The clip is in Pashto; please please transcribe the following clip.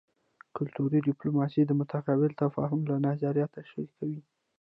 کلتوري ډیپلوماسي د متقابل تفاهم لپاره نظریات شریکوي